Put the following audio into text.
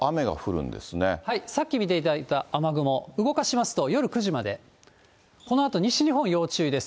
さっき見ていただいた雨雲、動かしますと夜９時まで、このあと西日本要注意です。